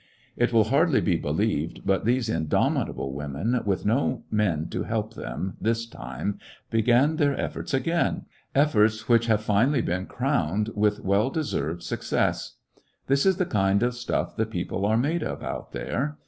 It win hardly be believed^ but these indom itable womenj with no men to help them this time, began their efforts again— efforts which have finally been crowned w^ith well deserved success. This is the kind of stuff the peo ple are made of out there.